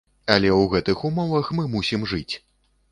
Але ў гэтых умовах мы мусім жыць.